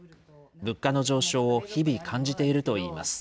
物価の上昇を日々感じているといいます。